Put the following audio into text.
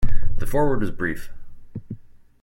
The foreword was brief.